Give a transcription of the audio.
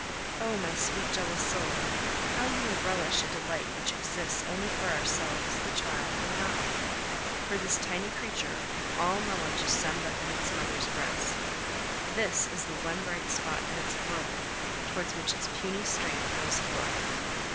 Oh! my sweet jealous soul, how you will relish a delight which exists only for ourselves, the child, and God! For this tiny creature all knowledge is summed up in its mother's breast. This is the one bright spot in its world, towards which its puny strength goes forth.